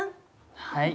はい。